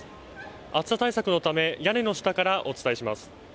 暑さ対策のため屋根の下からお伝えします。